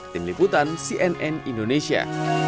tim liputan cnn indonesia